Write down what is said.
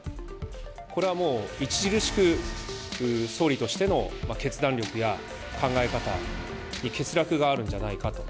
これはもう著しく総理としての決断力や考え方に欠落があるんではないかと。